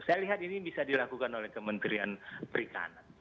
saya lihat ini bisa dilakukan oleh kementerian perikanan